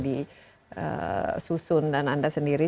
disusun dan anda sendiri